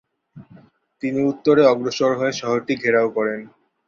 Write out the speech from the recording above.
তিনি উত্তরে অগ্রসর হয়ে শহরটি ঘেরাও করেন।